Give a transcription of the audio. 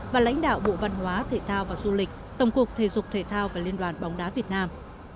và lãnh đạo bộ văn hóa thể thao và du lịch tổng cục thể dục thể thao và liên đoàn bóng đá việt nam